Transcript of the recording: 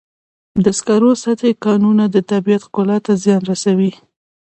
د سکرو سطحي کانونه د طبیعت ښکلا ته زیان رسوي.